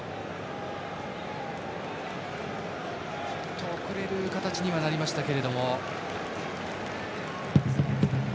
ちょっと遅れる形にはなりましたけれども。